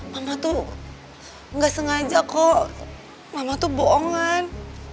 mama tuh nggak sengaja kok mama tuh bohongan